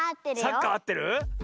サッカーあってる？